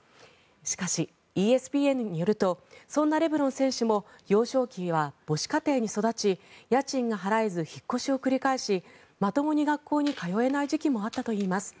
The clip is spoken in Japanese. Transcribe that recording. しかし、ＥＳＰＮによるとそんなレブロン選手も幼少期は母子家庭に育ち家賃が払えず引っ越しを繰り返しまともに学校に通えない時期もあったといいます。